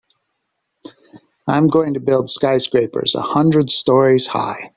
I'm going to build skyscrapers a hundred stories high.